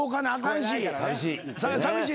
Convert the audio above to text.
寂しい。